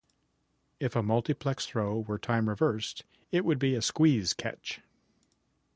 If a multiplex throw were time-reversed, it would be a squeeze catch.